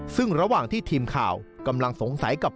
ซึ่งระหว่างที่ทีมข่าวกำลังสงสัยกับ